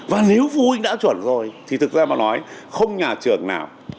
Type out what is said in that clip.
và nếu phối đã chuẩn rồi thì thực ra mà nói không nhà trường nào